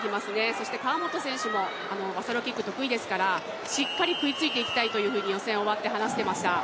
そして川本選手もバサロキック得意ですからしっかり食いついていきたいというふうに予選終わって話していました。